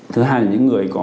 thứ hai là những người có